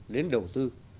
đến đầu tư